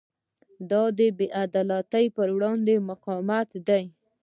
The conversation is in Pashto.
دا د بې عدالتۍ پر وړاندې مقاومت دی.